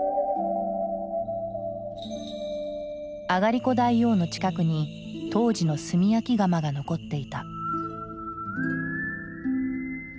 あがりこ大王の近くに当時の炭焼き窯が残っていた。